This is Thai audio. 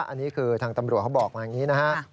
อันนี้คือทางตำรวจเขาบอกมาอย่างนี้นะครับ